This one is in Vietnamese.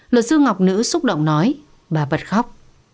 luật sư ngọc nữ xúc động nói bà bật khóc